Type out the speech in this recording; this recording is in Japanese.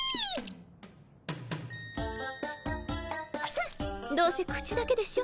フンどうせ口だけでしょ。